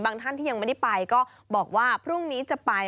ท่านที่ยังไม่ได้ไปก็บอกว่าพรุ่งนี้จะไป